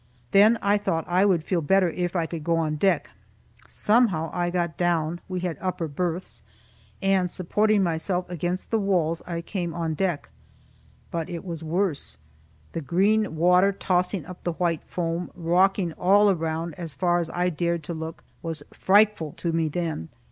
Then I thought I would feel better if I could go on deck. Somehow, I got down (we had upper berths) and, supporting myself against the walls, I came on deck. But it was worse. The green water, tossing up the white foam, rocking all around, as far as I dared to look, was frightful to me then.